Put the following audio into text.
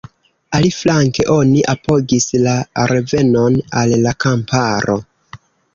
Aliflanke oni apogis “la revenon al la kamparo”.